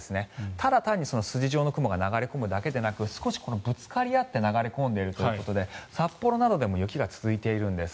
ただ単に筋状の雲が流れ込むだけでなく少しぶつかり合って流れ込んでいるということで札幌などでも雪が続いているんです。